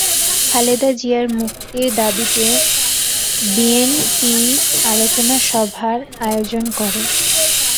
খালেদা জিয়ার মুক্তির দাবিতে এনপিপি এ আলোচনা সভার আয়োজন করে।